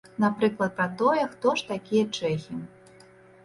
Напрыклад, пра тое, хто ж такія чэхі.